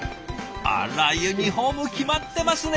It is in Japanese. あらユニフォーム決まってますね。